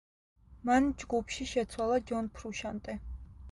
მან ჯგუფში შეცვალა ჯონ ფრუშანტე.